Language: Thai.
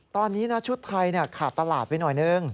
ตอนนี้นะชุดไทยขาดตลาดไปหน่อยนึง